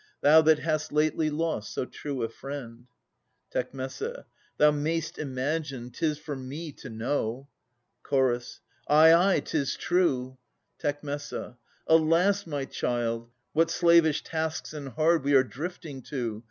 Thou that hast fately lost so true a friend. Tec. Thou may'st imagine; 'tis for me to know. Ch. Ay, ay, 'tis true. Tec. Alas, my child! what slavish tasks and hard We are drifting to!